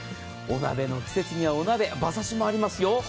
お鍋の季節にはお鍋、馬刺しもありますよ。